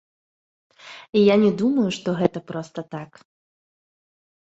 Я не думаю, што гэта проста так.